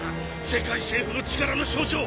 世界政府の力の象徴